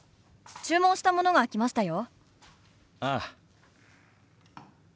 注文したものが来ましたよ。